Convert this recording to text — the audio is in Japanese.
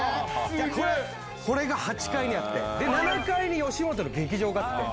これが８階にあって７階に吉本の劇場があって。